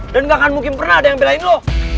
dan gak akan mungkin pernah ada yang belain lo